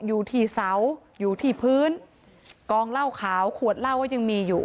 อยู่ที่เสาอยู่ที่พื้นกองเหล้าขาวขวดเหล้าก็ยังมีอยู่